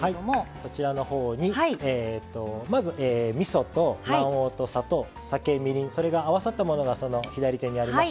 そちらのほうにまずみそと卵黄と砂糖酒みりんそれが合わさったものがその左手にあります。